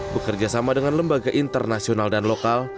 bekerjasama dengan lembaga internasional dan lokal